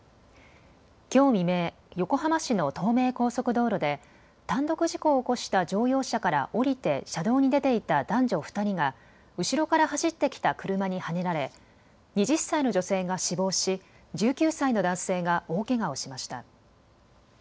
きょう未明、横浜市の東名高速道路で単独事故を起こした乗用車から降りて車道に出ていた男女２人が後ろから走ってきた車にはねられ、２０歳の女性が死亡し１９歳の男性が大けがをしました。